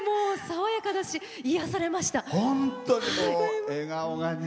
爽やかだし癒やされました。